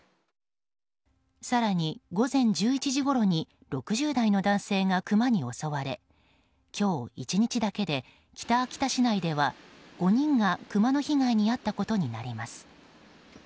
更に、午前１１時ごろに６０代の男性がクマに襲われ今日１日だけで北秋田市内では５人がクマの被害に遭ったことになります。